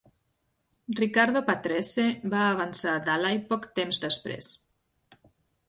Riccardo Patrese va avançar Daly poc temps després.